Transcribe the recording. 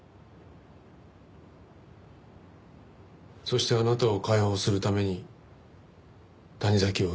そしてあなたを解放するために谷崎を撃った。